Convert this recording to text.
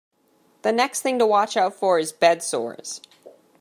The next thing to watch out for is bed sores.